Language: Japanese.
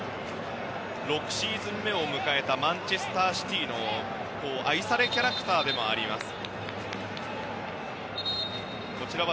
６シーズン目を迎えたマンチェスター・シティーの愛されキャラクターでもあります。